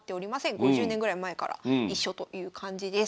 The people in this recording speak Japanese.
５０年ぐらい前から一緒という感じです。